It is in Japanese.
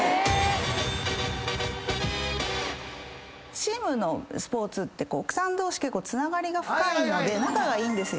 ⁉チームのスポーツって奥さん同士結構つながりが深いので仲がいいんですよ。